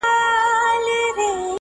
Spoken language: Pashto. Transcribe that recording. ما د زندان په دروازو کي ستا آواز اورېدی-